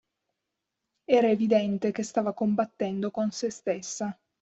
Era evidente che stava combattendo con sé stessa.